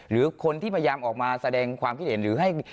หรือคนที่พยายามออกมาแสดงความคิดเห็นหรือให้